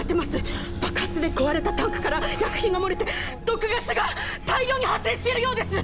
爆発で壊れたタンクから薬品が漏れて毒ガスが大量に発生しているようです！